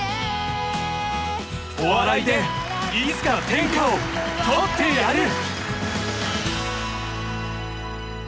お笑いでいつか天下を取ってやる！